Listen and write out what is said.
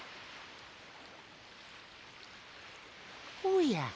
おや？